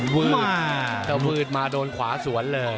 เวือดมาโดนขวาสวนเลย